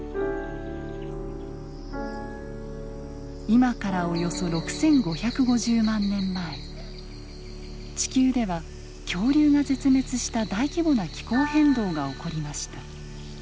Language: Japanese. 今からおよそ６，５５０万年前地球では恐竜が絶滅した大規模な気候変動が起こりました。